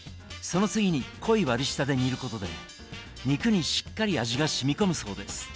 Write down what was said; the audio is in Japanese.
その次に濃い割り下で煮ることで肉にしっかり味がしみこむそうです。